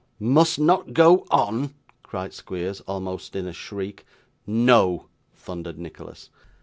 'Must not go on!' cried Squeers, almost in a shriek. 'No!' thundered Nicholas.